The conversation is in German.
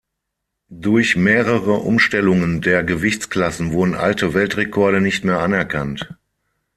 Durch mehrere Umstellungen der Gewichtsklassen wurden alte Weltrekorde nicht mehr anerkannt.